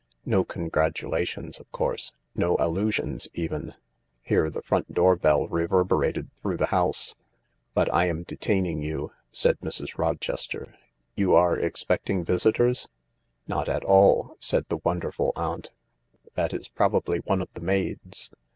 No congratulations, of course — no allusions even." Here the front door bell reverberated through the house. " But I am detaining you," said Mrs. Rochester, " You are expecting visitors ?"" Not at all," said the wonderful aunt. " That is probably one of the maids.